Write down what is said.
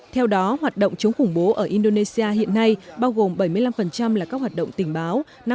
theo đó hoạt động chống khủng bố ở indonesia hiện nay bao gồm bảy mươi năm là các hoạt động tình báo